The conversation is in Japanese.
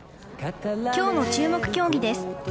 きょうの注目競技です。